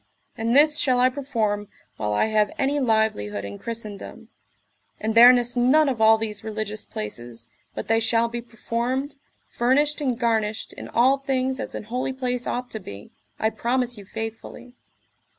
And this shall I perform while I have any livelihood in Christendom; and there nis none of all these religious places, but they shall be performed, furnished and garnished in all things as an holy place ought to be, I promise you faithfully.